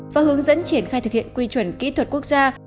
và hướng dẫn triển khai thực hiện quy chuẩn kỹ thuật quốc gia